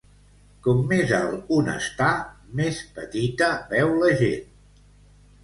Com més alt un està, més petita veu la gent.